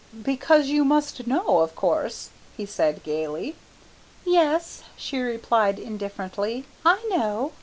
"Because you must know, of course," he said gaily. "Yes," she replied indifferently, "I know."